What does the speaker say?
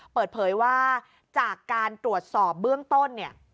เปิดเผยว่าจากการตรวจสอบเบื้องต้นเนี่ย